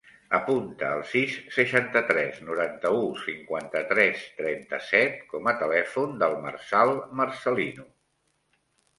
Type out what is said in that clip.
Apunta el sis, seixanta-tres, noranta-u, cinquanta-tres, trenta-set com a telèfon del Marçal Marcelino.